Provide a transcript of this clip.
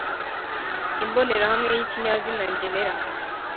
imbonerahamwe yi kinyazina ngenera